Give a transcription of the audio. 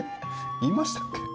言いましたっけ？